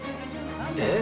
えっ？